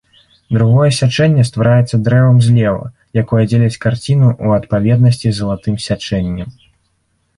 Другое сячэнне ствараецца дрэвам злева, якое дзеліць карціну ў адпаведнасці з залатым сячэннем.